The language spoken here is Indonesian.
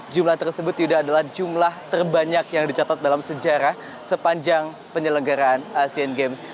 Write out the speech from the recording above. jumlah tersebut yuda adalah jumlah terbanyak yang dicatat dalam sejarah sepanjang penyelenggaraan asean games